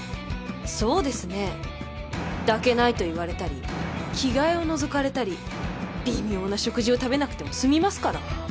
そうですね。抱けないと言われたり着替えをのぞかれたり微妙な食事を食べなくても済みますから。